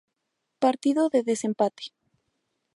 Partido de desempate